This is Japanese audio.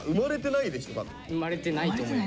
生まれてないと思います。